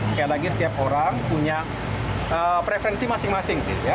sekali lagi setiap orang punya preferensi masing masing